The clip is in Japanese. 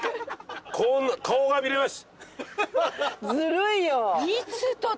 顔が見られます！